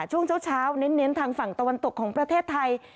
ช่วงเช้าเน้นทางฝั่งตะวันตกของประเทศไทย